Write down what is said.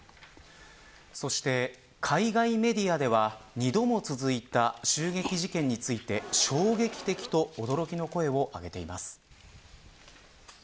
そして、海外メディアでは２度も続いた襲撃事件について衝撃的と驚きの声を上げています。